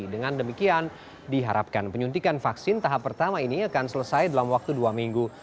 dengan demikian diharapkan penyuntikan vaksin tahap pertama ini akan selesai dalam waktu dua minggu